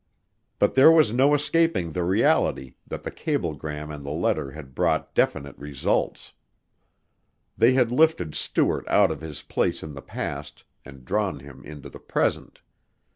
But there was no escaping the reality that the cablegram and the letter had brought definite results. They had lifted Stuart out of his place in the past and drawn him into the present.